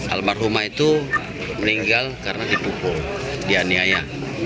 almarhumah itu meninggal karena dipukul dianiaya